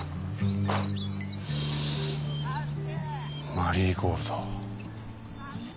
マリーゴールド。